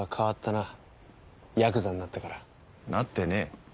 なってねえ。